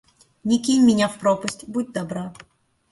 Не кинь меня в пропасть, будь добра.